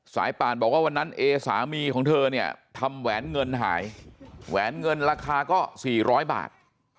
ป่านบอกว่าวันนั้นเอสามีของเธอเนี่ยทำแหวนเงินหายแหวนเงินราคาก็๔๐๐บาท